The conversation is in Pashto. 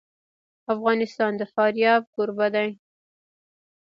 افغانستان د فاریاب کوربه دی.